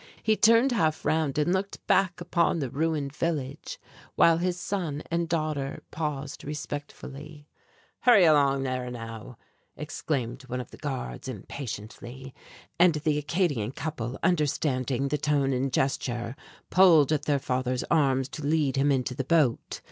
He turned half round and looked back upon the ruined village, while his son and daughter paused respectfully. "Hurry along there now," exclaimed one of the guards, impatiently; and the Acadian couple, understanding the tone and gesture, pulled at their father's arms to lead him into the boat.